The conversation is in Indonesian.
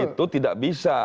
itu tidak bisa